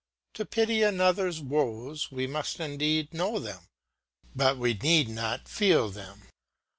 To pity another's woes we must indeed know them, but we need not feel them.